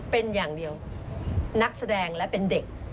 เป็นอย่างเดียวนักแสดงและเป็นเด็ก